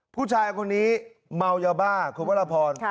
ผู้ชายคนนี้เมายาบ้าคุณวรพร